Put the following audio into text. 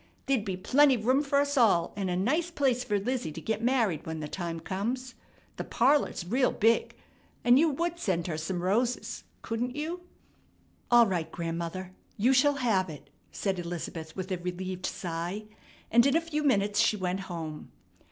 There'd be plenty room fer us all, an' a nice place fer Lizzie to get married when the time comes. The parlor's real big, and you would send her some roses, couldn't you?" "All right, grandmother. You shall have it," said Elizabeth with a relieved sigh, and in a few minutes she went home.